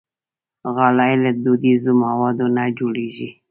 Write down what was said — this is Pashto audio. غالۍ له دودیزو موادو نه جوړېږي.